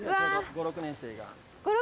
５６年生がいる。